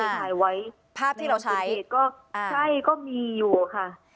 อ่าถ่ายไว้ภาพที่เราใช้ก็อ่าใช่ก็มีอยู่ค่ะ